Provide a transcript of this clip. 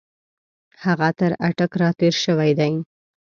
هغه تر اټک را تېر شوی دی.